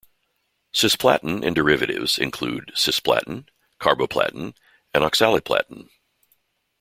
Cisplatin and derivatives include cisplatin, carboplatin and oxaliplatin.